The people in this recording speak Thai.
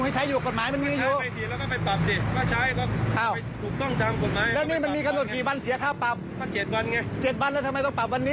กฎหมายมันมียุค